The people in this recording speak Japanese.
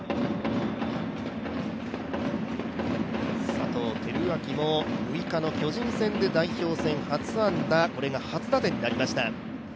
佐藤輝明も６日の巨人戦で代表戦、初安打、これが初打点になりました。